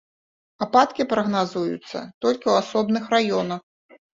Ападкі прагназуюцца толькі ў асобных раёнах.